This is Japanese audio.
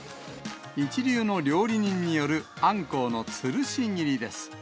一流の料理人によるアンコウのつるし切りです。